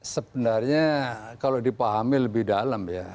sebenarnya kalau dipahami lebih dalam ya